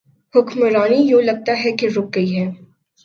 حکمرانی یوں لگتا ہے کہ رک گئی ہے۔